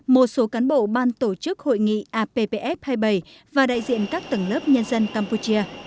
một số cán bộ ban tổ chức hội nghị appf hai mươi bảy và đại diện các tầng lớp nhân dân campuchia